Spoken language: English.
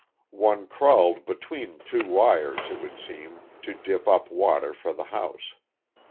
One crawled between two wires, it would seem, to dip up water for the house.